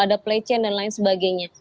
ada play chain dan lain sebagainya